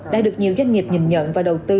đã được nhiều doanh nghiệp nhìn nhận và đầu tư